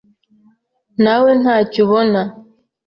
nawe ntacyo ubona